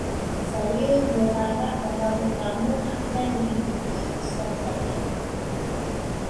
Saya berharap bahawa kamu akan mengikuti pesan saya.